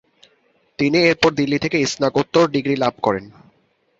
তিনি এরপর দিল্লি থেকে স্নাতকোত্তর ডিগ্রি লাভ করেন।